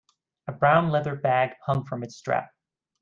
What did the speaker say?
A brown leather bag hung from its strap.